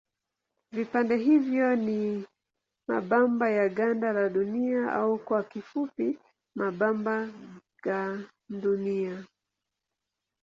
Vipande hivyo ni mabamba ya ganda la Dunia au kwa kifupi mabamba gandunia.